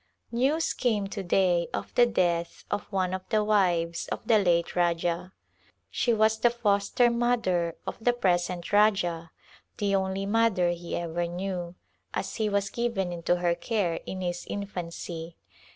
News came to day of the death of one of the wives of the late Rajah. She was the foster mother of the present Rajah, the only mother he ever knew, as he was given into her care in his infancy.